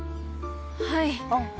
はい。